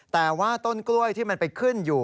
แต่ว่าต้นกล้วยที่มันไปขึ้นอยู่